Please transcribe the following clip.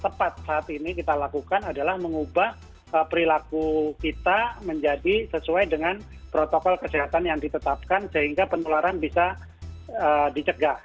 yang tepat saat ini kita lakukan adalah mengubah perilaku kita menjadi sesuai dengan protokol kesehatan yang ditetapkan sehingga penularan bisa dicegah